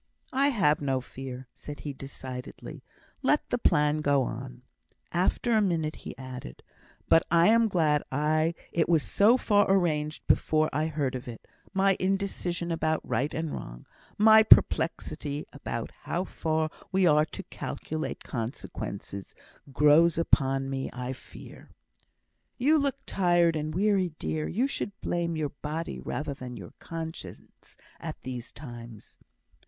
"I have no fear," said he, decidedly. "Let the plan go on." After a minute, he added, "But I am glad it was so far arranged before I heard of it. My indecision about right and wrong my perplexity as to how far we are to calculate consequences grows upon me, I fear." "You look tired and weary, dear. You should blame your body rather than your conscience at these times."